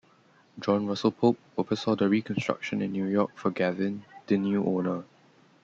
John Russell Pope oversaw the reconstruction in New York for Gavin, the new owner.